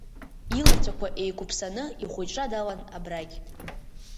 Илацәақәа еиқәԥсаны ихәыҷра далан абрагь.